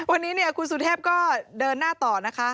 วันนี้คุณสุเทพก็เดินหน้าต่อนะคะ